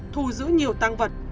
thu giữ nhiều tăng vật